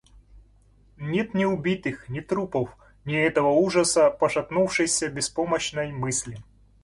Нет ни убитых, ни трупов, ни этого ужаса пошатнувшейся беспомощной мысли.